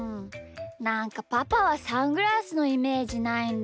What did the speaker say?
なんかパパはサングラスのイメージないんだよなあ。